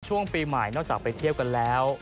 ช่วงปีใหม่นอกจากไปเที่ยวกันแล้ว